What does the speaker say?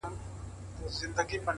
اوس په فلسفه باندي پوهېږمه،